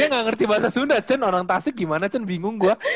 dia gak ngerti bahasa sunda cun orang tasik gimana cun bingung gue